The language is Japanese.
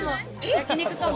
焼肉かも。